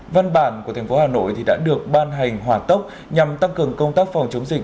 văn bản của tp hà nội đã được ban hành hoạt tốc nhằm tăng cường công tác phòng chống dịch